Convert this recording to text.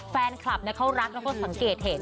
แฟนคลับเขารักเขาสังเกตเห็น